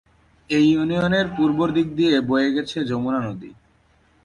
এই ইউনিয়নের পূর্ব দিক দিয়ে বয়ে গেছে যমুনা নদী।